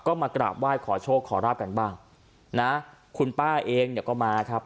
ก็มากราบไหว้ขอโชคขอราบกันบ้างนะคุณป้าเองเนี่ยก็มาครับ